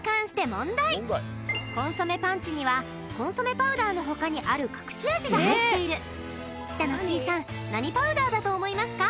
コンソメパンチにはコンソメパウダーの他にある隠し味が入っている北乃きいさん何パウダーだと思いますか？